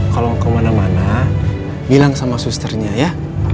kalau mau ke mana mana bilang sama susternya ya